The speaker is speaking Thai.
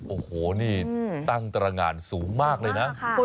โอ้โหนี่ตั้งตรงานสูงมากเลยนะ